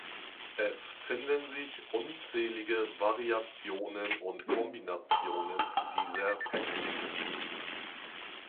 Es finden sich unzählige Variationen und Kombinationen dieser Technik.